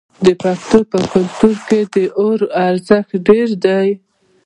د پښتنو په کلتور کې د اور ارزښت ډیر دی.